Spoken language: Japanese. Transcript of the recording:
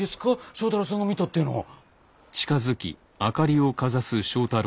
正太郎さんが見たっていうのは。